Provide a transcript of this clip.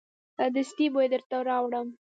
دستي به یې درته راوړم.